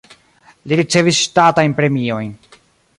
Li ricevis ŝtatajn premiojn.